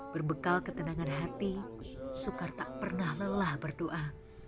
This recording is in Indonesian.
berbekal ketenangan hati sukar tak pernah lelah berdoa